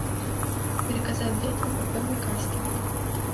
Пераказаць дзецям у форме казкі.